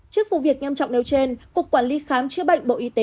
trước vụ việc nghiêm trọng nêu trên cục quản lý khám chữa bệnh bộ y tế